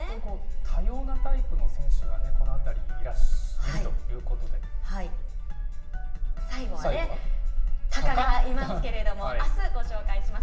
多様なタイプの選手がこの辺りにいるということで、最後はタカがいますけれども、あす、ご紹介します。